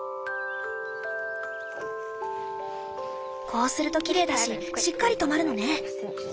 こうするときれいだししっかり留まるのね。